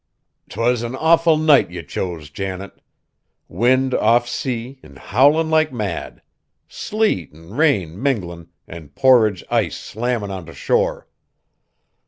"'T was an awful night ye chose, Janet. Wind off sea, an' howlin' like mad. Sleet an' rain minglin', an' porridge ice slammin' ont' shore!